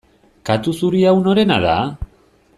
Katu zuri hau norena da?